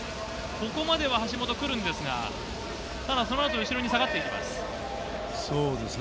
ここまでは橋本来るんですが、ただ、そのあと後ろに下がっていそうですね。